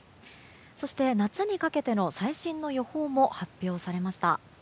そして、夏にかけての最新の予報も発表されました。